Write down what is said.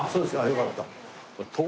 よかった。